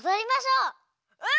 うん！